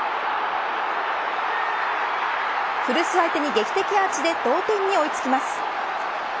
古巣相手に、劇的アーチで同点に追いつきます。